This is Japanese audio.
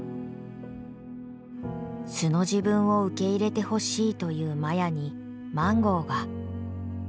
素の自分を受け入れてほしいというマヤにマンゴーが。